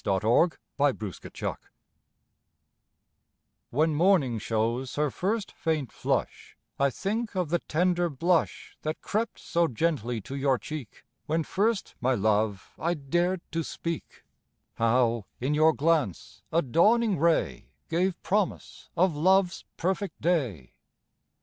MORNING, NOON AND NIGHT When morning shows her first faint flush, I think of the tender blush That crept so gently to your cheek When first my love I dared to speak; How, in your glance, a dawning ray Gave promise of love's perfect day.